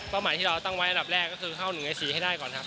หมายที่เราตั้งไว้อันดับแรกก็คือเข้า๑ใน๔ให้ได้ก่อนครับ